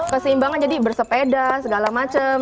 keseimbangan jadi bersepeda segala macam